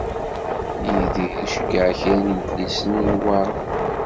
Yidir iceggeε kra n yedlisen i Newwara.